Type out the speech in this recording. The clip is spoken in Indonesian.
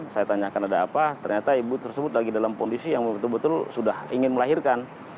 saya tanyakan ada apa ternyata ibu tersebut lagi dalam kondisi yang betul betul sudah ingin melahirkan